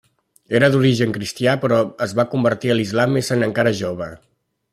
Era d'origen cristià però es va convertir a l'islam essent encara jove.